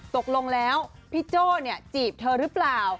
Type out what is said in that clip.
ตกลงแล้วพี่โจ้เนี่ยจีบเธอหรือเปล่า